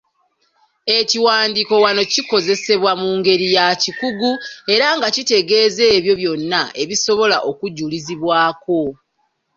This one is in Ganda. Ekiwandiiko wano kikozesebwa mu ngeri ya kikugu era nga kitegeeza ebyo byonna ebisobola okujulizibwako.